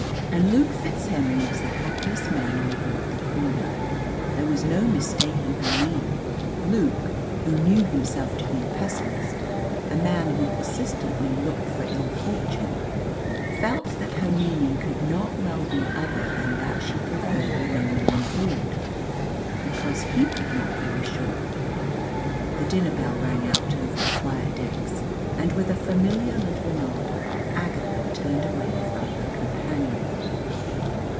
And Luke FitzHenry was the happiest man on board the Croonah. There was no mistaking her meaning. Luke, who knew himself to be a pessimist a man who persistently looked for ill fortune felt that her meaning could not well be other than that she preferred remaining on board because he could not go ashore. The dinner bell rang out over the quiet decks, and, with a familiar little nod, Agatha turned away from her companion.